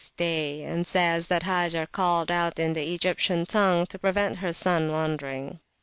stay! and says that Hagar called out in the Egyptian language, to prevent her son wandering.